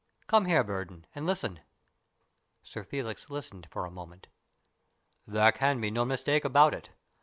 "Come here, Burdon, and listen." Sir Felix listened for a moment. "There can be no mistake about it.